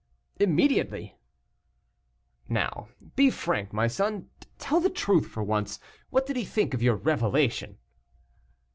"Immediately." "Now, be frank, my son; tell the truth for once. What did he think of your revelation?"